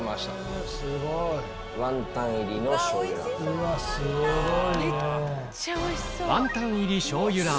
うわすごいね。